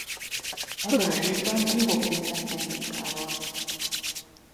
Ebben a részben a juhok bízzák meg munkával.